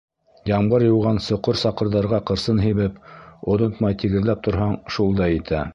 Ямғыр йыуған соҡор-саҡырҙарға ҡырсын һибеп, онотмай тигеҙләп торһаң, шул да етә.